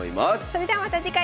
それではまた次回。